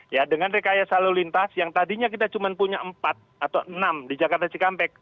ya dengan rekayasa lalu lintas yang tadinya kita cuma punya empat atau enam di jakarta cikampek